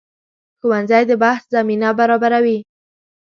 ښوونځی د بحث زمینه برابروي